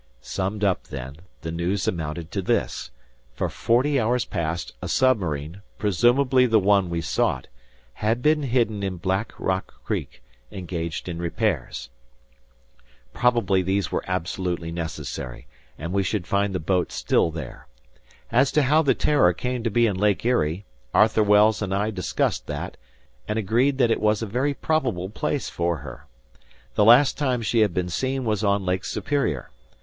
Summed up, then, the news amounted to this: For forty hours past a submarine, presumably the one we sought, had been hidden in Black Rock Creek, engaged in repairs. Probably these were absolutely necessary, and we should find the boat still there. As to how the "Terror" came to be in Lake Erie, Arthur Wells and I discussed that, and agreed that it was a very probable place for her. The last time she had been seen was on Lake Superior.